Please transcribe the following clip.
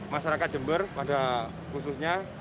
masyarakat jember pada khususnya